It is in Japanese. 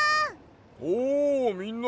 おみんな！